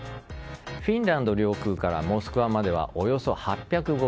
フィンランド領空からモスクワまではおよそ８５０ｋｍ。